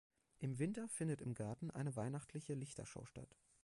Im Winter findet im Garten eine weihnachtliche Lichtershow statt.